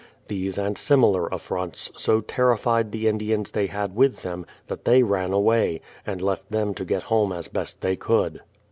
These and similar affronts so terrified the Indians they had with them, that they ran away, and left them to get home as best they could.